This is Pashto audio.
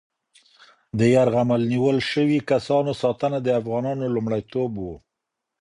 د یرغمل نیول شوي کسانو ساتنه د افغانانو لومړیتوب و.